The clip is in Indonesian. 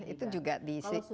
itu juga disediakan gitu